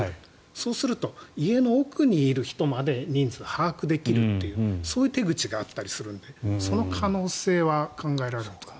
そうすると、家の奥にいる人まで人数が把握できるというそういう手口があったりするのでその可能性は考えられると思います。